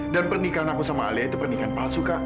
dan pernikahan aku sama alia itu pernikahan palsu kak